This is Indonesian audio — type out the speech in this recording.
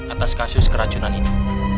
atas kasus keracunan ini